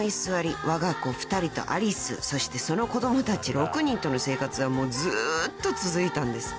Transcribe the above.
わが子２人とアリスそしてその子供たち６人との生活はずっと続いたんです。